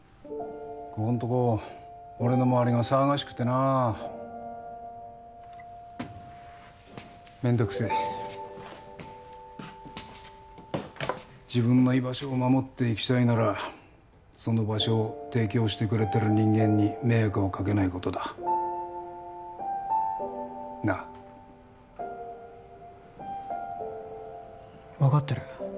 ここんとこ俺の周りが騒がしくてなめんどくせえ自分の居場所を守っていきたいならその場所を提供してくれてる人間に迷惑をかけないことだなっ分かってる